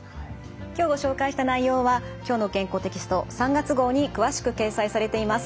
今日ご紹介した内容は「きょうの健康」テキスト３月号に詳しく掲載されています。